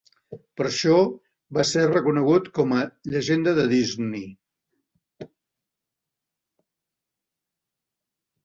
Per això va ser reconegut com a Llegenda de Disney.